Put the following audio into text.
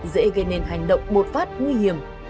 dễ gây nên hành động bột phát nguy hiểm